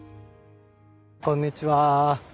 こんにちは。